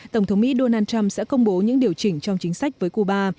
tổng thống mỹ donald trump sẽ công bố những điều chỉnh trong chính sách với cuba